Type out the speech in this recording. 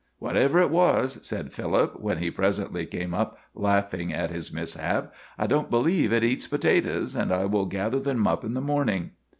"Whatever it was," said Philip, when he presently came up laughing at his mishap, "I don't believe it eats potatoes, and I will gather them up in the morning."